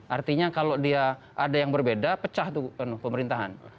artinya kalau dia ada yang berbeda pecah tuh pemerintahan